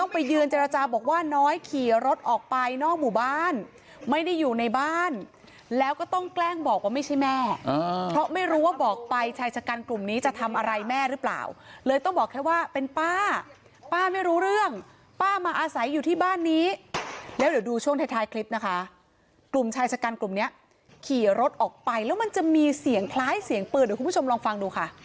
เพราะไม่รู้ว่าบอกไปชายชะกันกลุ่มนี้จะทำอะไรแม่หรือเปล่าเลยต้องบอกแค่ว่าเป็นป้าป้าไม่รู้เรื่องป้ามาอาศัยอยู่ที่บ้านนี้แล้วเดี๋ยวดูช่วงท้ายคลิปนะคะกลุ่มชายชะกันกลุ่มเนี้ยขี่รถออกไปแล้วมันจะมีเสียงคล้ายเสียงเปลือเดี๋ยวคุณผู้ชมลองฟังดูค่ะ